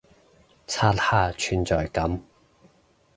刷下存在感